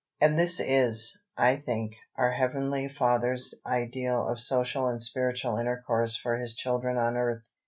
And this is, I think, our Heavenly Father's ideal of social and spiritual intercourse for His children on earth.